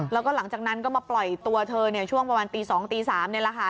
แล้วก็หลังจากนั้นก็มาปล่อยตัวเธอช่วงประมาณตี๒๓ในราคา